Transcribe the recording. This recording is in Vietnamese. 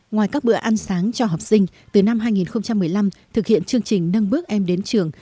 ngoài các bữa ăn sáng cho học sinh từ năm hai nghìn một mươi năm thực hiện chương trình nâng bước em đến trường